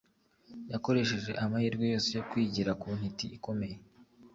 yakoresheje amahirwe yose yo kwigira ku ntiti ikomeye